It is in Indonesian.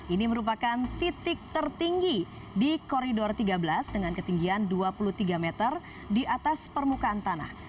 ini merupakan titik tertinggi di koridor tiga belas dengan ketinggian dua puluh tiga meter di atas permukaan tanah